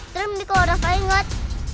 terus ini kalau rafa inget